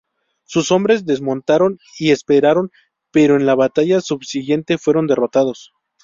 Sus hombres desmontaron y esperaron, pero en la batalla subsiguiente fueron derrotados.